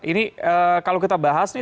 ini kalau kita bahas nih